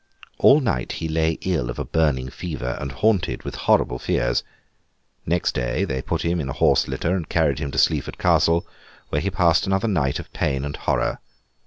All night he lay ill of a burning fever, and haunted with horrible fears. Next day, they put him in a horse litter, and carried him to Sleaford Castle, where he passed another night of pain and horror.